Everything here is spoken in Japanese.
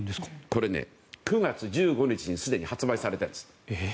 これ９月１５日にすでに発売されたんです。